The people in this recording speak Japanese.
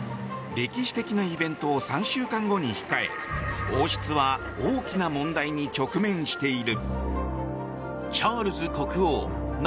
歴史的なイベントを３週間後に控え王室は大きな問題に直面している。